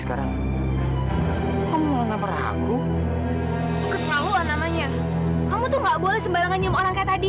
sekarang kamu mau nampak aku kecuali namanya kamu tuh nggak boleh sembarangan nyum orang kayak tadi